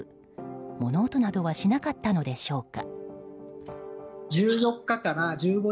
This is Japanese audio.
物音などはしなかったのでしょうか。